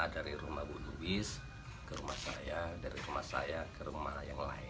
dari rumah bu lubis ke rumah saya dari rumah saya ke rumah yang lain